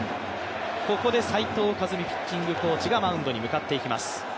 ここで斉藤和巳ピッチングコーチがマウンドに向かっていきます。